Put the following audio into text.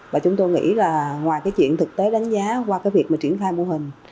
và chúng tôi nghĩ là ngoài cái chuyện thực tế đánh giá qua cái việc mà triển khai mô hình